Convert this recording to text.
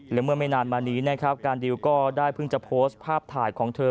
และเมื่อไม่นานมานี้นะครับการดิวก็ได้เพิ่งจะโพสต์ภาพถ่ายของเธอ